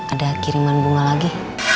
ada kiriman bunga lagi